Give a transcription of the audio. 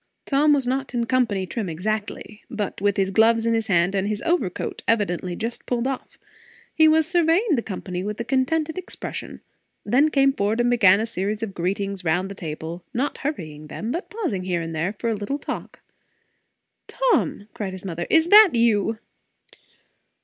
Tom was not in company trim exactly, but with his gloves in his hand and his overcoat evidently just pulled off. He was surveying the company with a contented expression; then came forward and began a series of greetings round the table; not hurrying them, but pausing here and there for a little talk. "Tom!" cried his mother, "is that you?"